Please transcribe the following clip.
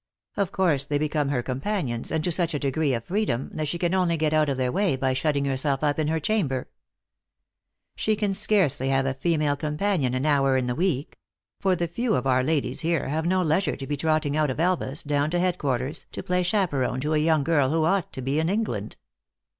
Of course, they become her companions, and to such a degree of freedom, that she can only get out of their way by shutting herself up in her chamber. She can scarcely have a female companion an hour in the week ; for the few of our ladies here have no leisure to be trotting out of Elvas, down to headquarters, to play chaperon to a young girl who ought to be in England."